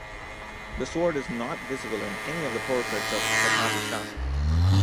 The sword is not visible in any of the portraits of Fathali Shah.